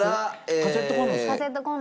カセットコンロ。